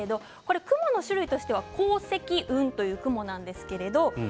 雲の種類としては高積雲という雲です。